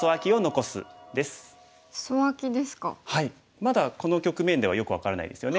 まだこの局面ではよく分からないですよね。